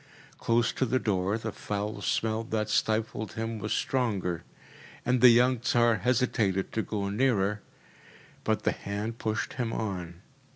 Close to the door, the foul smell that stifled him was stronger, and the young Tsar hesitated to go nearer, but the hand pushed him on.